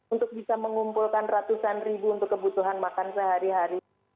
untuk bisa mengumpulkan ratusan ribu untuk kebutuhan makan sehari hari